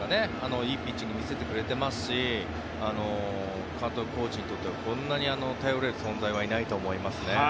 いいピッチングを見せてくれてますし監督、コーチにとってはこんなに頼れる存在はいないと思いますね。